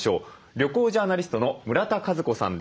旅行ジャーナリストの村田和子さんです。